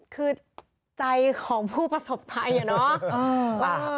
คือใจของผู้ประสบไทยเนอะ